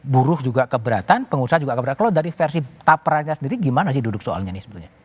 buruh juga keberatan pengusaha juga keberatan dari versi taperannya sendiri gimana sih duduk soalnya ini sebetulnya